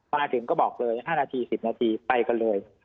มาถึงก็บอกเลย๕นาที๑๐นาทีไปกันเลย